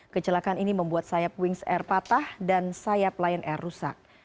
kecelakaan ini membuat sayap wings air patah dan sayap lion air rusak